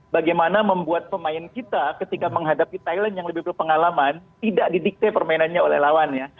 bagaimana membuat pemain kita ketika menghadapi thailand yang lebih berpengalaman tidak didikte permainannya oleh lawannya